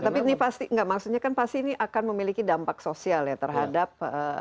tapi ini pasti enggak maksudnya kan pasti ini akan memiliki dampak sosial ya terhadap